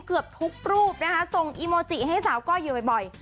ทุกรูปนะคะส่งอีโมจิให้สาวก้ยเยอะเบ่ย